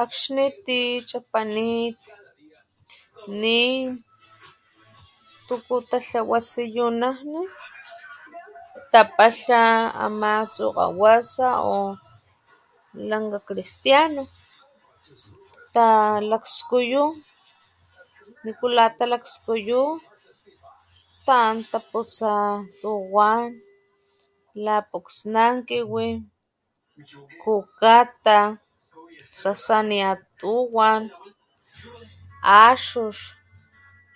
Akxni ti chapanit nin tuku tatlawa tsiyunajni tapalha ama tsukgawasa o lankga cristiano talakskuyu nikula talakskuyu xta´an taputsa tuwan la puksnankiwi, kukata , sasaniatuwan, axux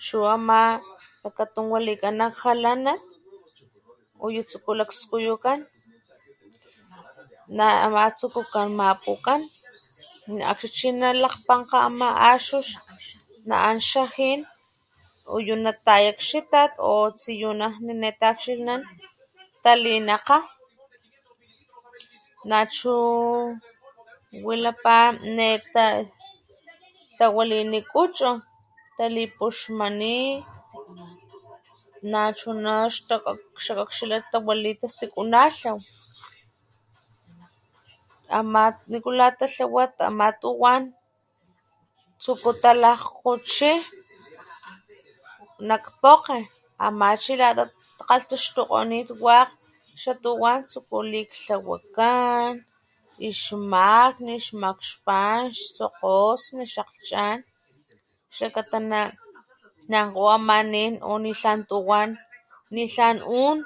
chu ama ix lakatun walikan nak jalanat uyu skuku lakskuyukan na ama tsukukan mapukan akxni chi nalakgpankga xa axux nalakgpankga na´an xa jin uyu nataya ix itat o tsiyunajni ne takxilhnan talinaka nachu wilapa ne ka tawalini kuchu talipuxmani nachuna xakakxila xtawali tasikunalhaw ama nikula ta tlawa ama tuwan tsuku talakgkgochi nak pokge ama chi lata kalhtaxtukgonit wakg xa tuwan tsukukan liklhawakan , nak ix makni, xmakxpan ix tsokgosni ix akglhchan xlakata na´ankgo ama nin o ni tlan tuwan nitlan un